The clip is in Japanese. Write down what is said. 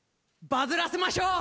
バズらせましょう！